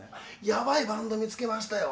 「ヤバいバンド見つけましたよ」